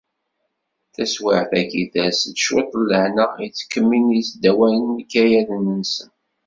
Taswiɛt-agi, ters-d cwiṭ n lehna, ttkemmilen yisdawanen ikayaden-nsen.